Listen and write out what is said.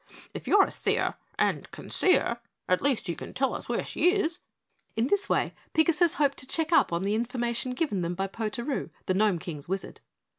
"If you are a seer and can see 'er, at least you can tell us where she is." In this way Pigasus hoped to check up the information given them by Potaroo, the Gnome King's Wizard.